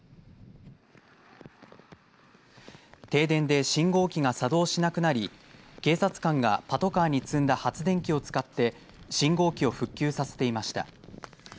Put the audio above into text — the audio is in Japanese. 停電で信号機が作動しなくなり警察官がパトカーに積んだ発電機を使って信号機を復旧させていました。